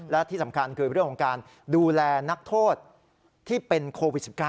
และที่สำคัญคือเรื่องของการดูแลนักโทษที่เป็นโควิด๑๙